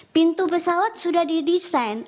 pintu pesawat sudah didesain